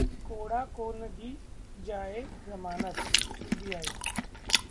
कोड़ा को न दी जाए जमानत: सीबीआई